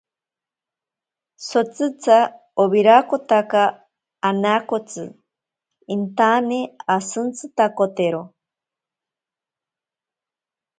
Sotitsa owirakotaka anaakotsi intane ashintsitakotero.